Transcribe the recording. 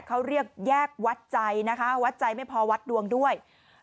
เค้าเรียกแยกแวดใจไม่พอแวดดวงด้วย